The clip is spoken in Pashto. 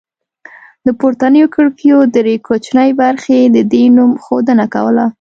د پورتنیو کړکیو درې کوچنۍ برخې د دې نوم ښودنه کوله